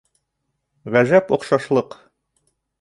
Ғәжәп оҡшашлыҡ!